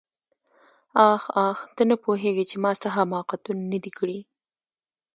آخ آخ ته نه پوهېږې چې ما څه حماقتونه نه دي کړي.